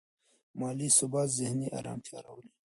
مالي ثبات ذهني ارامتیا راولي.